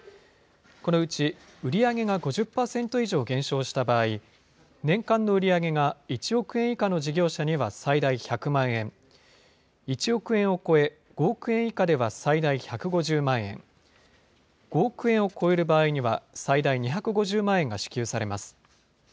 このうち売り上げが５０％以上減少した場合、年間の売り上げが１億円以下の事業者には最大１００万円、１億円を超え５億円以下では最大１５０万円、５億円を超える場合には最大２５０万円が支給されます。